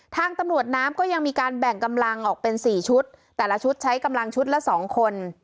ทางตำรวจน้ำก็ยังมีการแบ่งกำลังออกเป็น๔ชุดแต่ละชุดใช้กำลังชุดละ๒คน